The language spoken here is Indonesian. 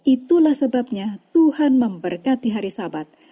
itulah sebabnya tuhan memberkati hari sabat